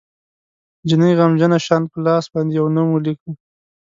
جینۍ غمجنه شان په لاس باندې یو نوم ولیکه